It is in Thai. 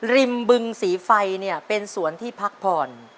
บึงสีไฟเนี่ยเป็นสวนที่พักผ่อน